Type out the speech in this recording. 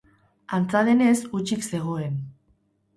Antza denez, hutsik zegoen.